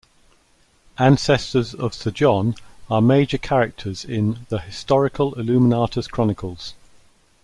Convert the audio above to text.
Ancestors of Sir John are major characters in The Historical Illuminatus Chronicles.